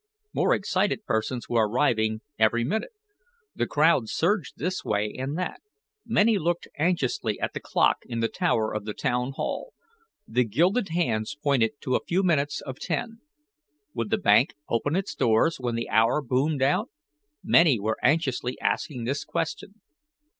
More excited persons were arriving every minute. The crowd surged this way, and that. Many looked anxiously at the clock in the tower of the town hall. The gilded hands pointed to a few minutes of ten. Would the bank open its doors when the hour boomed out? Many were anxiously asking this question.